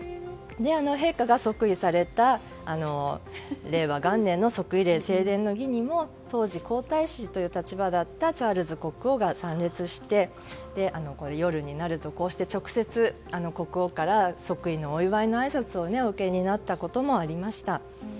陛下が即位された令和元年の即位礼正殿の儀にも当時、皇太子という立場だったチャールズ国王が参列して、夜になると直接国王から即位のお祝いのあいさつをお受けになったこともありました。